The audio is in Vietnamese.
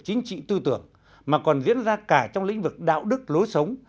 lĩnh vực chính trị tư tưởng mà còn diễn ra cả trong lĩnh vực đạo đức lối sống